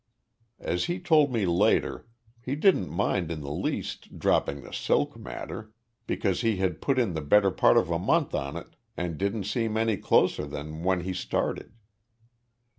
As he told me later, he didn't mind in the least dropping the silk matter, because he had put in the better part of a month on it and didn't seem any closer than when he started.